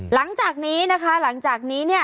หลังจากนี้นะคะหลังจากนี้เนี่ย